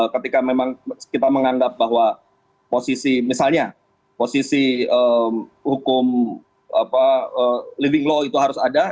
ketika memang kita menganggap bahwa posisi misalnya posisi hukum living law itu harus ada